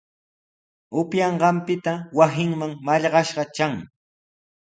Upyanqanpita wasinman mallaqnashqa tran.